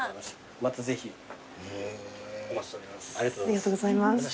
ありがとうございます。